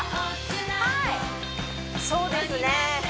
はいそうですね